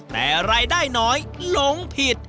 แต่รายได้น้อยหลงผิด